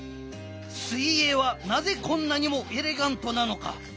水泳はなぜこんなにもエレガントなのか。